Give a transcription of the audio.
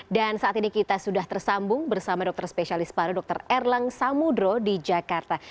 dan saat ini kita sudah tersambung bersama dokter spesialis para dokter erlang samudro di jakarta